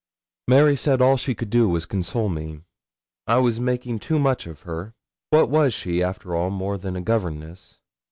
Mary said all she could to console me. I was making too much of her. What was she, after all, more than a governess?